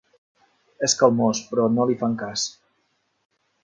És calmós, però no li fan cas.